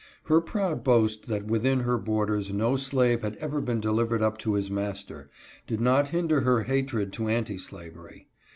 Her proud boast that within her borders no slave had ever been delivered up to his master, did not hinder her hatred to anti slavery.